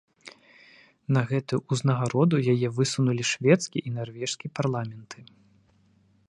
На гэтую ўзнагароду яе высунулі шведскі і нарвежскі парламенты.